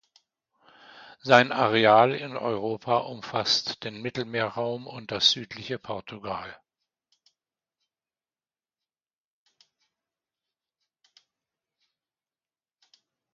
Sein Areal in Europa umfasst den Mittelmeerraum und das südliche Portugal.